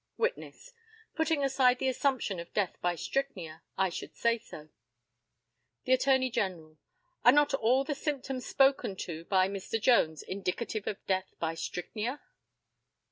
Witness: Putting aside the assumption of death by strychnia, I should say so. The ATTORNEY GENERAL: Are not all the symptoms spoken to by Mr. Jones indicative of death by strychnia?